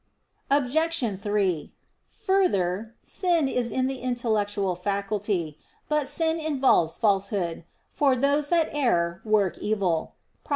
Obj. 3: Further, sin is in the intellectual faculty. But sin involves falsehood: for "those err that work evil" (Prov.